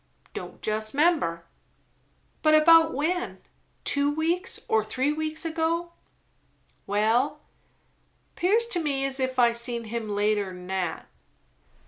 "Don't just 'member." "But about when? Two weeks or three weeks ago?" "Well, 'pears to me as if I'd seen him later 'n that."